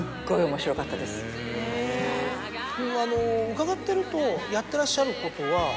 伺っているとやってらっしゃることは。